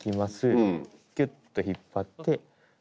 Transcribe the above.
キュッと引っ張ってここで。